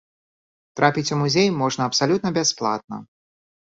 Трапіць у музей можна абсалютна бясплатна.